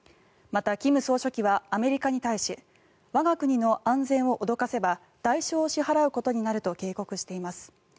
また、金総書記はアメリカに対し我が国の安全を脅かせば代償を支払うことになると警告しています。